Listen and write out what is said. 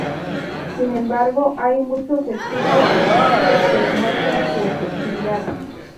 Sin embargo, hay muchos estudios científicos que demuestran su efectividad.